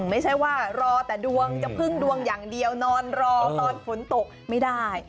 ไม่ใช่ว่ารอแต่ดวงจะพึ่งดวงอย่างเดียวนอนรอตอนฝนตกไม่ได้